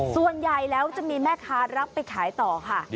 ส่วนใหญ่แล้วจะมีแม่ค้ารับไปขายต่อค่ะ